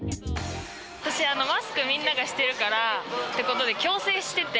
私、マスクみんながしてるからってことで、矯正してて。